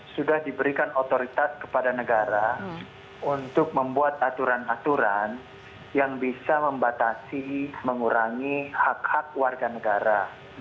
sudah diberikan otoritas kepada negara untuk membuat aturan aturan yang bisa membatasi mengurangi hak hak warga negara